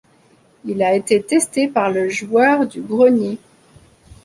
Il a été testé par le Joueur du Grenier.